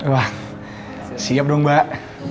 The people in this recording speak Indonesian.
wah siap dong mbak